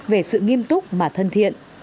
về sự nghiêm túc mà thân thiện